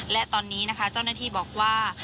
และตอนนี้นะคะเจ้าหน้าที่บอกว่า